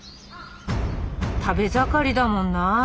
食べ盛りだもんな。